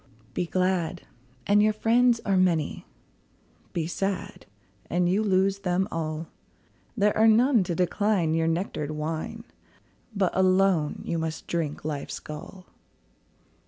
Be glad, and your friends are many; Be sad, and you lose them all; There are none to decline your nectar'd wine, But alone you must drink life's gall.